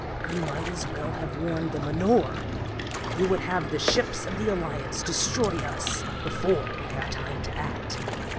"You might as well have worn the menore! You would have the ships of the Alliance destroy us before we have time to act.